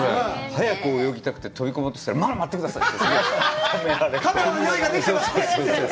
早く泳ぎたくて、飛び込もうとしたら、まだ待ってください！